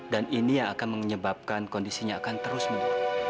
dan ini yang akan menyebabkan kondisinya akan terus menurun